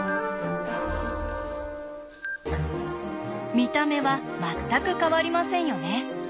見た目は全く変わりませんよね。